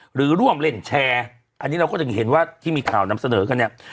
หรือร่วมเล่นแชร์อันนี้เราก็ถึงเห็นว่าที่มีข่าวนำเสนอกันเนี่ย